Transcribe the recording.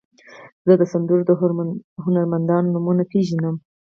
زه د سندرو د هنرمندانو نومونه پیژنم.